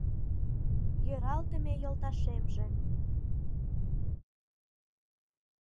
Йӧралтыме йолташемже -